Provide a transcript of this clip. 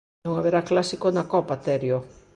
Non haberá clásico na Copa, Terio.